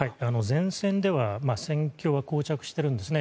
前線では戦況は膠着してるんですね。